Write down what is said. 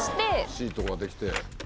シートができて。